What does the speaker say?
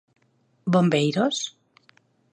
¿Bombeiros?